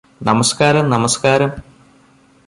നമസ്ക്കാരം നമസ്ക്കാരം